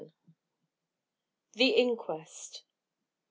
THE INQUEST.